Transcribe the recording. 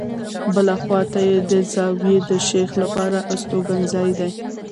بلې خواته یې د زاویې د شیخ لپاره استوګنځای دی.